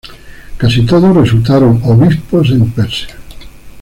Casi todos resultaron obispos en Persia.